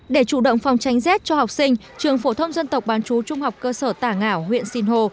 để chủ động phòng tránh rét cho học sinh trường phổ thông dân tộc bán chú trung học cơ sở tả ngảo huyện sinh hồ